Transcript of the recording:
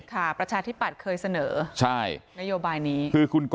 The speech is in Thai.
ค่ะประชาธิปัตธ์เคยเสนอใช่คือคุณกร